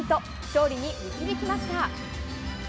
勝利に導きました。